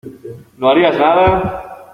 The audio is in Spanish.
¿ no harías nada?